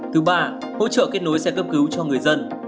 thứ ba hỗ trợ kết nối xe cấp cứu cho người dân